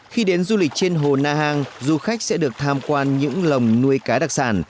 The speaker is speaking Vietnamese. khi đến du lịch trên hồ na hàng du khách sẽ được tham quan những lồng nuôi cá đặc sản